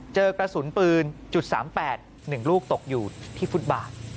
เจอกระสุนปืน๓๘๑ลูกตกอยู่ที่ฟุตบาท